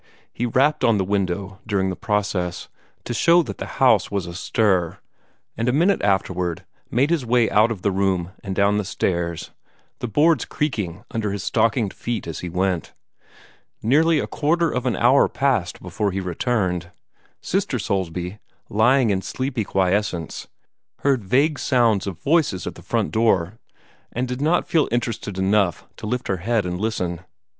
He rapped on the window during the process, to show that the house was astir, and a minute afterward made his way out of the room and down the stairs, the boards creaking under his stockinged feet as he went. Nearly a quarter of an hour passed before he returned. Sister Soulsby, lying in sleepy quiescence, heard vague sounds of voices at the front door, and did not feel interested enough to lift her head and listen.